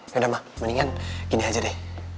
yaudah mah mendingan gini aja deh